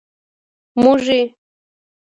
موږي.